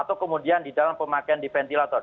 atau kemudian di dalam pemakaian di ventilator